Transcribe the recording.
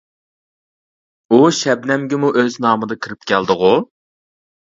ئۇ شەبنەمگىمۇ ئۆز نامدا كىرىپ كەلدىغۇ؟ !